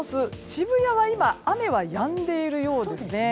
渋谷は今雨はやんでいるようですね。